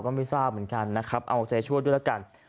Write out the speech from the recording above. ไม่ทราบเหมือนกันนะครับเอาใจช่วยด้วยละกัน